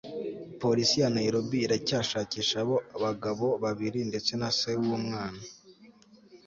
polisi ya nairobi iracyashakisha abo bagabo babiri ndetse na se w'uwo mwana